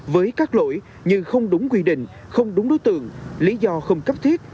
với các lỗi như không đúng quy định không đúng đối tượng lý do không cấp thiết